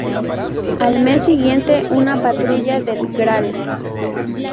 Al mes siguiente una patrulla del Gral.